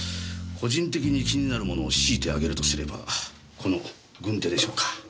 個人的に気になるものを強いて挙げるとすればこの軍手でしょうか。